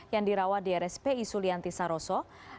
yang dirawat di rspi sulianti saroso